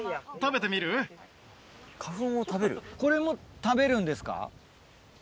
これも食べるんですか？